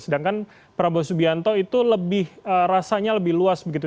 sedangkan prabowo subianto itu rasanya lebih luas begitu